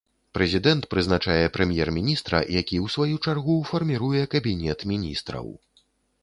Прэзідэнт прызначае прэм'ер-міністра, які ў сваю чаргу фарміруе кабінет міністраў.